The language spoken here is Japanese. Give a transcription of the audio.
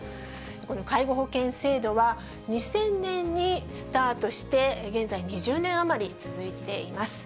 この介護保険制度は、２０００年にスタートして、現在２０年余り続いています。